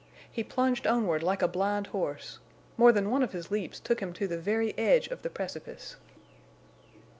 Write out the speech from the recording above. He plunged onward like a blind horse. More than one of his leaps took him to the very edge of the precipice.